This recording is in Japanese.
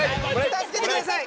助けてください！